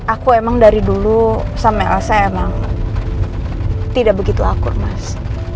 aku emang dari dulu sampai lc emang tidak begitu akur mas